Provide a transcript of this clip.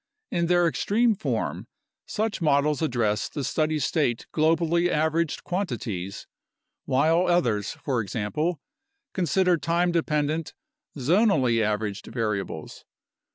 In their extreme form, such models address the steady state globally averaged quantities, while others, for example, consider time dependent zonally averaged variables.